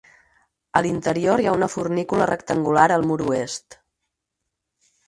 A l'interior hi ha una fornícula rectangular al mur oest.